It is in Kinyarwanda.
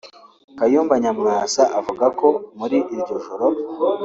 Kayumba Nyamwasa avuga ko muri iryo joro